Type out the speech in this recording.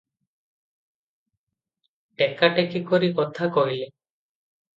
ଟେକା ଟେକି କରି କଥା କହିଲେ ।